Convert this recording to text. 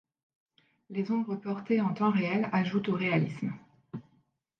Les ombres portées en temps réel ajoutent au réalisme.